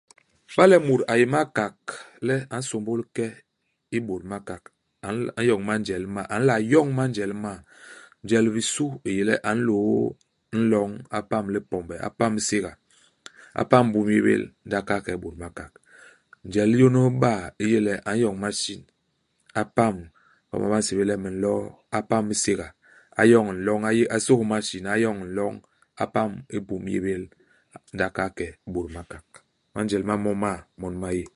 Iba le mut a yé i Makak le a nsômbôl ke i Bôt-Makak, a nla a n'yoñ manjel m'ma. A nla yoñ manjel m'ma. Njel i bisu i yé le a nlôô i nloñ, a pam i Lipombe, a pam i Séga, a pam i Boumnyébél ndi a kahal ke i Bôt-Makak. Njel i n'yônôs iba i yé le a n'yoñ masin, a pam i homa ba nsébél le Minloh, a pam i Séga. A yoñ nloñ. A yi a sôs i masin, a yoñ nloñ, a pam i Boumnyébél, ndi a kahal ke i Bôt-Makak. Imanjel ma mo ma, mon ma yé.